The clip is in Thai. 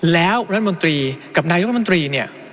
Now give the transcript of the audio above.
แล้วรัฐมนตรีกับนายกรัฐมนตรีเนี่ย